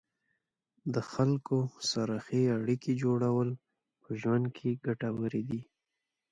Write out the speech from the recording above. د خلکو سره ښې اړیکې جوړول په ژوند کې ګټورې دي.